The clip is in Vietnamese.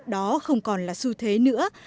đó không còn là su thế nữa